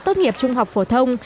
tốt nghiệp trung học vổ thông